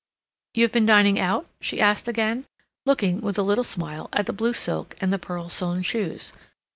"You've been dining out?" she asked again, looking, with a little smile, at the blue silk and the pearl sewn shoes.